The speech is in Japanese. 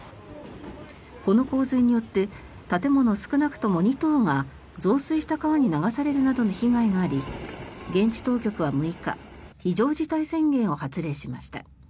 この洪水によって建物少なくとも２棟が増水した川に流されるなどの被害があり現地当局は６日非常事態宣言を発令しました。